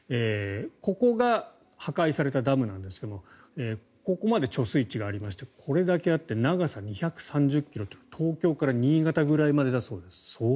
ここが破壊されたダムなんですがここまで貯水池がありましてこれだけあって長さ２３０ｋｍ東京から新潟ぐらいだそうです。